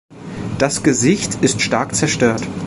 Das Gesicht ist stark zerstört.